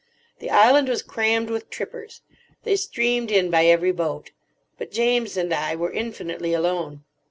The island was crammed with trippers. They streamed in by every boat. But James and I were infinitely alone.